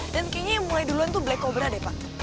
dan kayaknya yang mulai duluan tuh black cobra deh pak